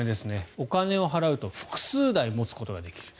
お金を払うと複数台持つことができる。